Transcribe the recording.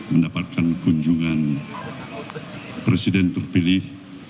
mendapatkan kunjungan presiden terpilih